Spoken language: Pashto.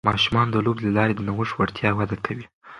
ماشومان د لوبو له لارې د نوښت وړتیا وده کوي.